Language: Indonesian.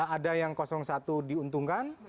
ada yang satu diuntungkan